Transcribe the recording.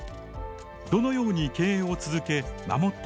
どのように経営を続け守っていくのか。